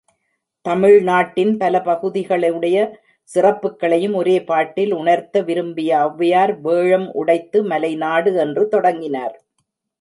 தமிழ்நாட்டின் பல பகுதிகளுடைய சிறப்புக்களையும் ஒரே பாட்டில் உணர்த்த விரும்பிய ஒளவையார், வேழம் உடைத்து மலைநாடு என்று தொடங்கினார்.